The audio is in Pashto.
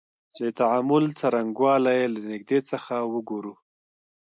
د تعامل څرنګوالی یې له نیږدې څخه وګورو.